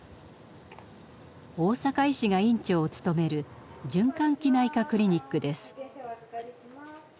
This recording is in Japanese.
大坂医師が院長を務める循環器内科クリニックです。